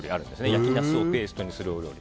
焼きなすをペーストにするお料理。